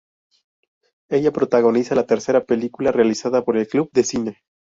Ella protagoniza la tercera película realizada por el club de Cine.